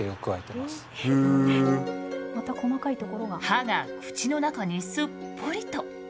歯が口の中にすっぽりと。